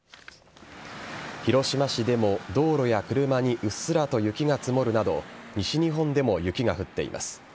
広島市でも道路や車にうっすらと雪が積もるなど、西日本でも雪が降っています。